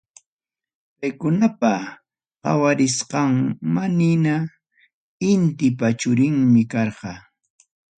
Paykunapa qawarisqanmanhina, Intipa churinmi karqa.